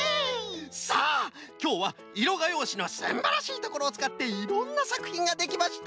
さあきょうはいろがようしのすんばらしいところをつかっていろんなさくひんができました。